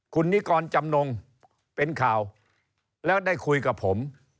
คุณนิกรจำนงเป็นข่าวแล้วได้คุยกับผม